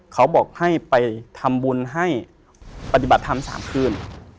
เขาบอกให้ไปทำบุญให้ปฏิบัติธรรม๓คืน